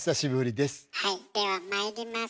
ではまいります。